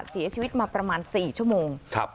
เสียชีวิตมาประมาณ๔ชั่วโมง